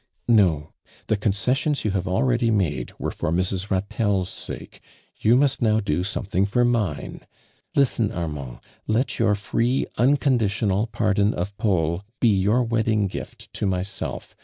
" No ! The concessions you have already made were for Mrs. Ilatelle's soke, you must now do somotluug for mine. Listen, Armand. Lot your free unconditional par don of Paul be your wedding gift to myself.